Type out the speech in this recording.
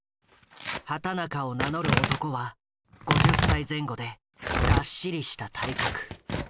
畑中を名乗る男は５０歳前後でがっしりした体格。